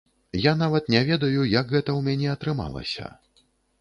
Я нават не ведаю, як гэта ў мяне атрымалася.